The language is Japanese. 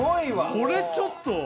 これちょっと！